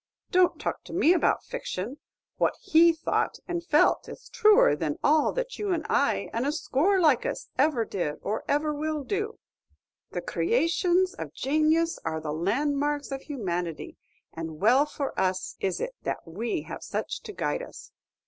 Don't talk to me about fiction! What he thought and felt is truer than all that you and I and a score like us ever did or ever will do. The creations of janius are the landmarks of humanity; and well for us is it that we have such to guide us!"